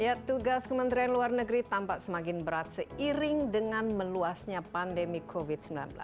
ya tugas kementerian luar negeri tampak semakin berat seiring dengan meluasnya pandemi covid sembilan belas